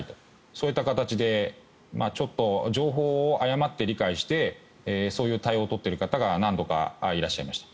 そういった形で情報を誤って理解してそういう対応を取っている方が何度かいらっしゃいました。